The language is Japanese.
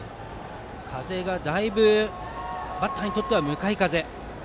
風はだいぶバッターにとっては向かい風。